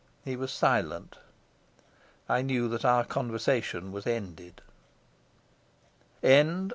He was silent. I knew that our conversation was ended.